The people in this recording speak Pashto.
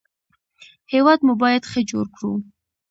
هېواد مو باید ښه جوړ کړو